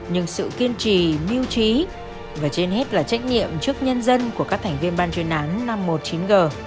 nhưng sự kiên trì miêu trí và trên hết là trách nhiệm trước nhân dân của các thành viên ban chuyên án năm trăm một mươi chín g